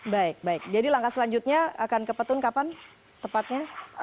baik jadi langkah selanjutnya akan ke pt un kapan tepatnya